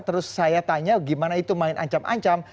terus saya tanya gimana itu main ancam ancam